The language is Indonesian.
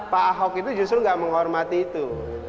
pak ahok itu justru nggak menghormati itu